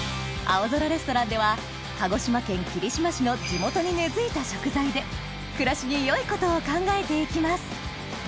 『青空レストラン』では鹿児島県霧島市の地元に根付いた食材で暮らしに良いことを考えて行きます